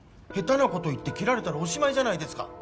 下手なこと言って切られたらおしまいじゃないですか！